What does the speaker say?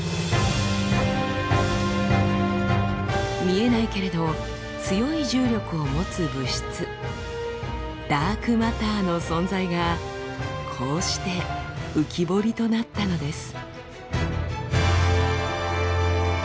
見えないけれど強い重力を持つ物質ダークマターの存在がこうして浮き彫りとなったのです。